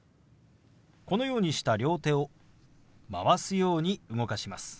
このようにした両手を回すように動かします。